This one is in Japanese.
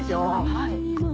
はい。